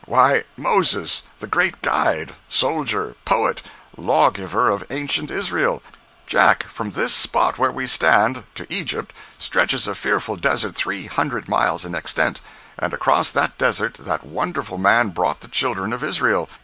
Why, Moses, the great guide, soldier, poet, lawgiver of ancient Israel! Jack, from this spot where we stand, to Egypt, stretches a fearful desert three hundred miles in extent—and across that desert that wonderful man brought the children of Israel!